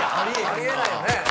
あり得ないよね。